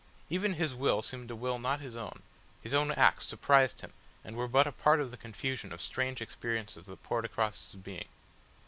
Even his will seemed a will not his own, his own acts surprised him and were but a part of the confusion of strange experiences that poured across his being.